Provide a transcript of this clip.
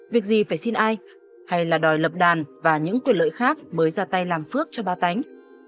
việc gì phải xin ai hay là đòi lập đàn và những quyền lợi khác mới ra tay làm phước cho ba tánh